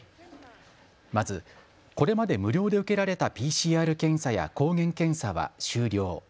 まず、これまで無料で受けられたＰＣＲ検査や抗原検査は終了。